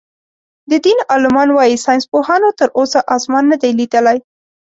د دين عالمان وايي ساينسپوهانو تر اوسه آسمان نۀ دئ ليدلی.